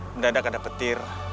mendadak ada petir